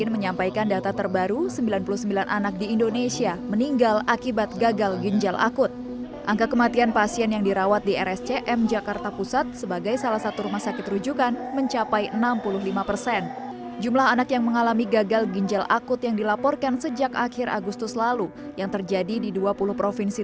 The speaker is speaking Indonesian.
memberi anak mereka obat sirop